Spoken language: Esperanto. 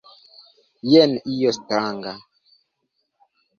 Jen io stranga.